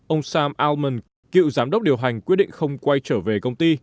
ông sam onman cựu giám đốc điều hành quyết định không quay trở về công ty